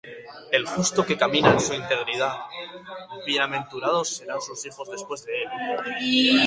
El justo que camina en su integridad, Bienaventurados serán sus hijos después de él.